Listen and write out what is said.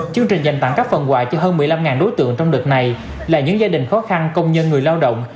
chương trình dành tặng các phần quà cho hơn một mươi năm đối tượng trong đợt này là những gia đình khó khăn công nhân người lao động